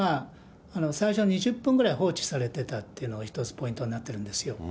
最初２０分ぐらいは放置されてたっていうのが一つポイントになってるんですよ。